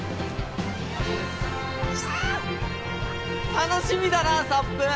楽しみだなサップ。